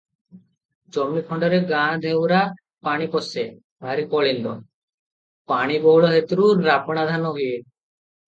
ଜମିଖଣ୍ତରେ ଗାଁ ଧୋଉରା ପାଣି ପଶେ, ଭାରି କଳିନ୍ଦ, ପାଣିବହୁଳ ହେତୁରୁ ରାବଣା ଧାନ ହୁଏ ।